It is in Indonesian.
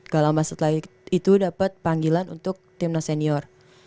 gak lama setelah itu dapat panggilan untuk timnas senior